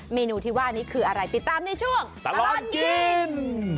เมนูที่ว่านี้คืออะไรติดตามในช่วงตลอดกิน